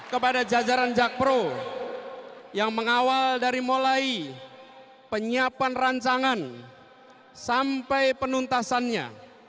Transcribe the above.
kepada jajaran jakpro yang mengawal dari mulai penyiapan rancangan sampai penuntasannya